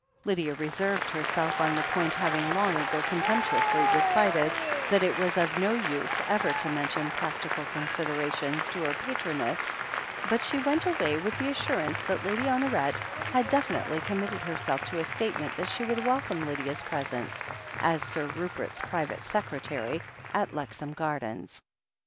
Lydia reserved herself on the point, having long ago contemptuously decided that it was of no use ever to mention practical considerations to her patroness, but she went away with the assurance that Lady Honoret had definitely committed herself to a statement that she would welcome Lydia's presence, as Sir Rupert's pri vate secretary, at Lexham Gardens.